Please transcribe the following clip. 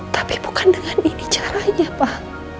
tapi bukan dengan ini caranya pak